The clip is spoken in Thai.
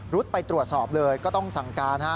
ไปตรวจสอบเลยก็ต้องสั่งการฮะ